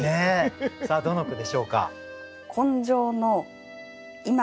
どの句でしょうか？